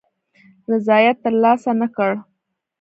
رضاییت تر لاسه نه کړ.